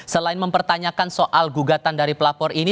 selain mempertanyakan soal gugatan dari pelapor ini